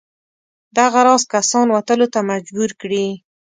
دغه راز کسان وتلو ته مجبور کړي.